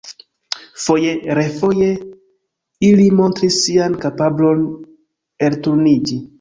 Foje-refoje ili montris sian kapablon elturniĝi.